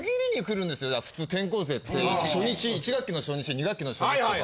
普通転校生って初日１学期の初日２学期の初日とか。